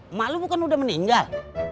emak lu bukan udah meninggal